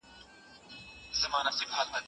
که چیرته مسائل حل سي، نو پرمختګ به یواځی نه وي.